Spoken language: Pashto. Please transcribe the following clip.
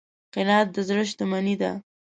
قناعت د زړه شتمني ده.